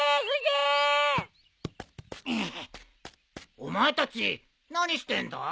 お前たち何してんだ？